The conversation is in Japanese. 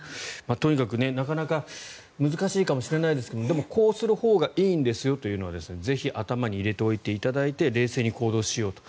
とにかく、なかなか難しいかもしれないですがこうしたほうがいいですよというのはぜひ頭に入れておいていただいて冷静に行動しようと。